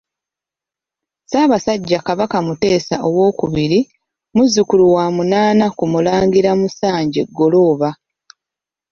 Ssaabasajja Kabaka Mutesa II, muzzukulu wa munaana ku Mulangira Musanje Ggolooba.